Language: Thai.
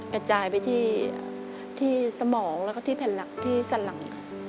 กระจายไปที่สมองแล้วก็ที่แผ่นหลักที่สันหลัง